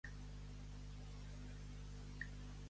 Qui planta l'aromer, mort primer.